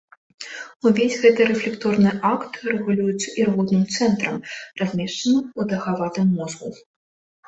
Увесь гэты рэфлекторны акт рэгулюецца ірвотным цэнтрам, размешчаным у даўгаватым мозгу.